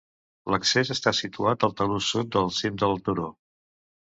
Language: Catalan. L'accés està situat al talús sud del cim del turó.